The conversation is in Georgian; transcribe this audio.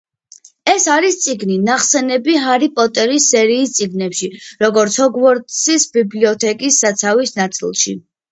ეს არის წიგნი, ნახსენები ჰარი პოტერის სერიის წიგნებში, როგორც ჰოგვორტსის ბიბლიოთეკის საცავის ნაწილი.